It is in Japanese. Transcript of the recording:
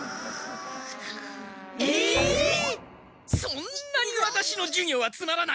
そんなにワタシの授業はつまらないか！